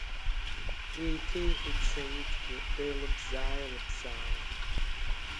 Еиҭеиҳәеит Саидгьы деилыбзаа-еилыбзаауа.